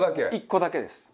１個だけです。